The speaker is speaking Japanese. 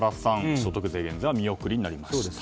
所得税減税は見送りになりました。